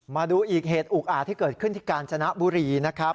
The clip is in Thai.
มาดูอีกเหตุอุกอาจที่เกิดขึ้นที่กาญจนบุรีนะครับ